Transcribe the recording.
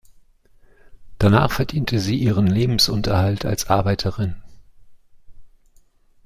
Danach verdiente sie ihren Lebensunterhalt als Arbeiterin.